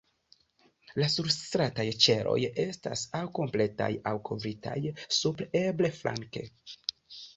La surstrataj ĉeloj estas aŭ kompletaj, aŭ kovritaj supre, eble flanke.